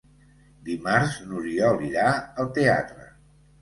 Dimarts n'Oriol irà al teatre.